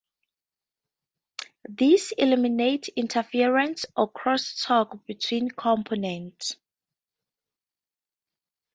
This eliminates interference or "cross-talk" between components.